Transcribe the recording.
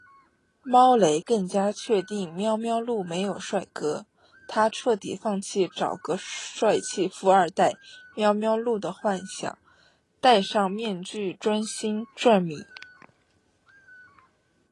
猫雷更加确定喵喵露没有帅哥，她彻底放弃找个帅气富二代喵喵露的幻想，戴上面具专心赚米